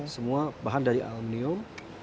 semua bahan dari aluminium